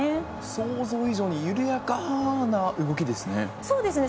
想像以上に緩やかな動きですそうですね。